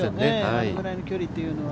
あのぐらいの距離っていうのは。